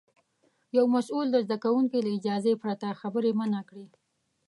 یو مسوول د زده کوونکي له اجازې پرته خبرې منع کړې.